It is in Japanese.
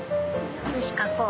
よしかこう。